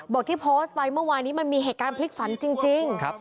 ที่โพสต์ไปเมื่อวานนี้มันมีเหตุการณ์พลิกฝันจริง